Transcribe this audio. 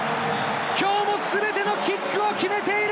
きょうも全てのキックを決めている！